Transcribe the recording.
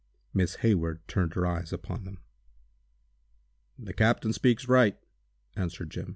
Miss Hayward turned her eyes upon them. "The captain speaks right," answered Jim.